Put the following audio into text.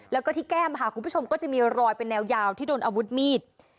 แล้วก็ที่แก้มค่ะคุณผู้ชมก็จะมีรอยเป็นแนวยาวที่โดนอาวุธมีด